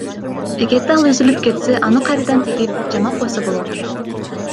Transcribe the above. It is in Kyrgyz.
Эгерде ал үзүлүп кетсе аны кайрадан тигип, жамап койсо болот.